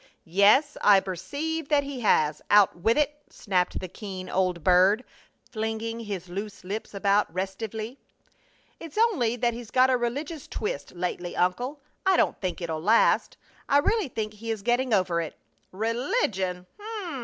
"Yes, I perceive that he has! Out with it!" snapped the keen old bird, flinging his loose lips about restively. "It's only that he's got a religious twist lately, uncle. I don't think it'll last. I really think he is getting over it!" "Religion!